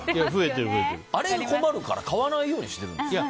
あれが困るから買わないようにしてるんですよ。